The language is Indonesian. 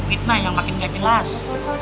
fitnah yang makin nggak jelas